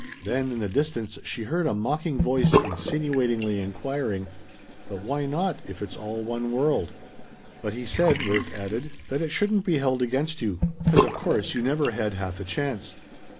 Then in the distance she heard a mocking voice insinuatingly inquiring: "But why not, if it's all one world?" "But he said," Worth added, "that it shouldn't be held against you, 'cause of course you never had half a chance.